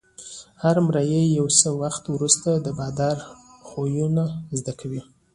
هر مریی یو څه وخت وروسته د بادار خویونه زده کوي.